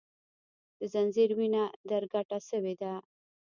د خنځیر وینه در کډه سوې ده